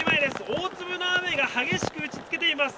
大粒の雨が激しく打ちつけています。